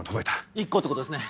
１個ってことですね。